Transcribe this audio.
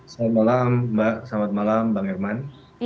selamat malam mbak selamat malam bang herman